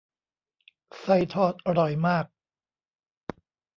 ไส้ทอดอร่อยมาก